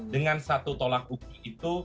dengan satu tolak uku itu